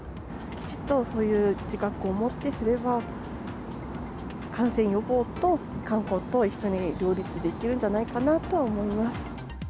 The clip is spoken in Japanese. きちっとそういう自覚をもってすれば、感染予防と観光と一緒に両立できるんじゃないかなと思います。